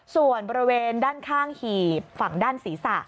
ส่วนบริเวณด้านข้างหีบฝั่งด้านศีรษะ